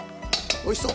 おいしそう！